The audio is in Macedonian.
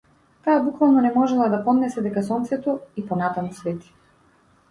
Таа буквално не можела да поднесе дека сонцето и понатаму свети.